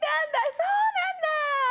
そうなんだ。